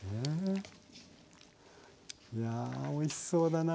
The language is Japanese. いやおいしそうだなあ。